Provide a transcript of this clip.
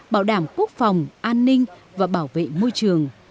bảo đảm quốc phòng an ninh và bảo vệ môi trường